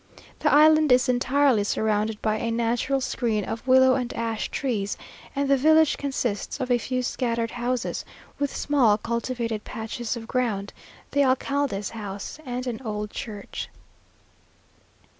The island is entirely surrounded by a natural screen of willow and ash trees, and the village consists of a few scattered houses, with small cultivated patches of ground, the alcalde's house, and an old church.